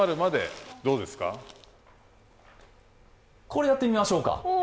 これ、やってみましょうか。